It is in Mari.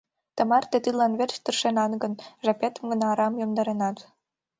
Тымарте тидлан верч тыршенат гын, жапетым гына арам йомдаренат.